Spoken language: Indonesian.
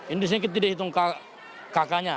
ini di sini kita tidak hitung kakaknya